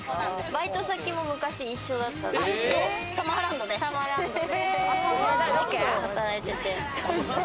バイト先も昔一緒だったんですよ。